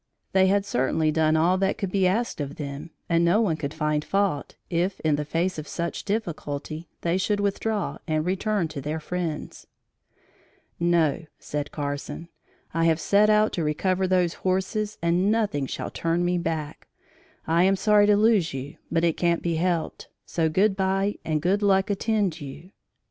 They had certainly done all that could be asked of them and no one could find fault if, in the face of such difficulty, they should withdraw and return to their friends. "No," said Carson, "I have set out to recover those horses and nothing shall turn me back. I am sorry to lose you, but it can't be helped; so good bye and good luck attend you."